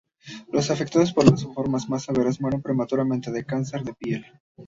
Los afectados por las formas más severas mueren prematuramente de cáncer de piel.